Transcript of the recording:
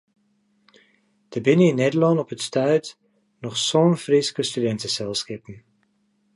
Der binne yn Nederlân op it stuit noch sân Fryske studinteselskippen.